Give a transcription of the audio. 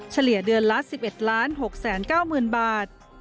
เฉลี่ยเดือนละ๑๑๖๙๐๐๐บาท